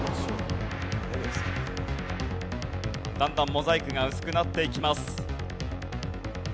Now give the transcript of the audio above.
だんだんモザイクが薄くなっていきます。